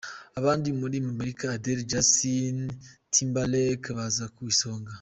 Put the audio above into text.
abandi muri Amerika, Adele na Justin Timberlake baza ku isonga.